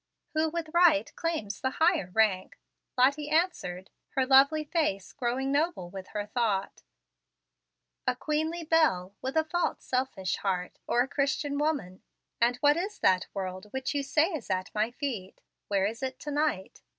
"Who with right claims the higher rank," Lottie answered, her lovely face growing noble with her thought, "a queenly belle with a false, selfish heart, or a Christian woman? And what is that world which you say is at my feet? Where is it to night?